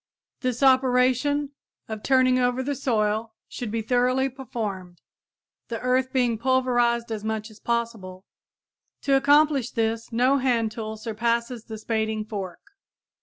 This operation of turning over the soil should be thoroughly performed, the earth being pulverized as much as possible. To accomplish this no hand tool surpasses the spading fork.